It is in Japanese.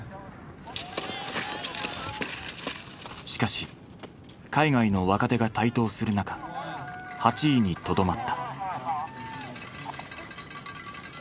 しかし海外の若手が台頭する中８位にとどまった。